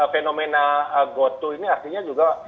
fenomena goto ini artinya juga